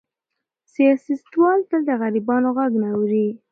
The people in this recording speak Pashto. سیاستوال تل د غریبانو غږ نه اوري.